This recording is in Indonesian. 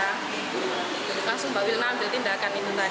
langsung mbak wilna ambil tindakan itu tadi